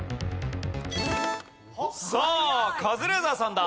さあカズレーザーさんだ。